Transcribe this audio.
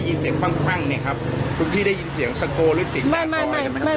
ถึงอายุกับมาต์เท่าไร